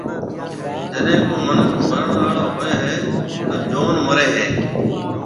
جڏي ڪو مِنک مرڻ آݪو ھووَي ھيََََ جون مرَي ھيََََ۔